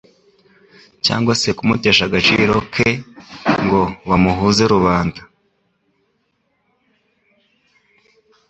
cyangwa se kumutesha agaciro ke ngo bamuhuze rubanda,